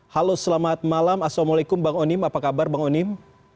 halo selamat malam assalamualaikum bang onim apa kabar bang onim